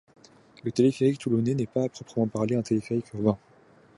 Le téléphérique toulonnais n'est pas à proprement parler un téléphérique urbain.